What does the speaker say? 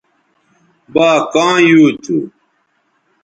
با کاں یُو تھو